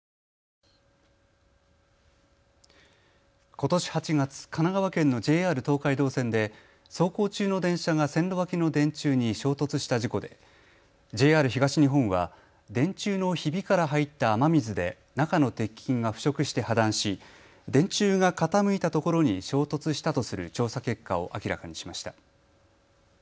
ことし８月、神奈川県のＪＲ東海道線で走行中の電車が線路脇の電柱に衝突した事故でＪＲ東日本は電柱のひびから入った雨水で中の鉄筋が腐食して破断し電柱が傾いたところに衝突したとする調査結果を明らかにしました。